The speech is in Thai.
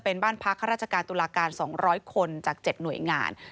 ปราการ๒๐๐คนจาก๗หน่วยงาน